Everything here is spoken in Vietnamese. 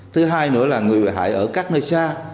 thứ hai nữa là người bị hại ở các nơi xa